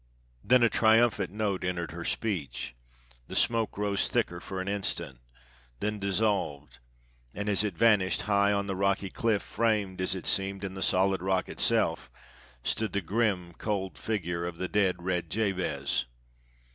Then a triumphant note entered her speech; the smoke rose thicker for an instant, then dissolved; and as it vanished, high on the rocky cliff, framed, as it seemed, in the solid rock itself, stood the grim, cold figure of the dead Red Jabez.